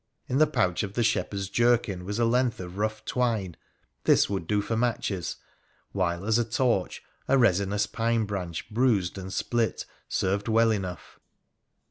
In the pouch of the shepherd's jerkin was a length 30 WONDERFUL ADVENTURES OF of rough twine ; this would do for matches, while as a torch a resinous pine branch, bruised and split, served well enough.